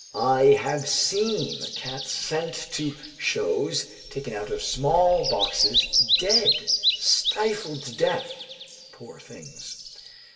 I have seen cats sent to shows taken out of small boxes, dead, stifled to death "poor things."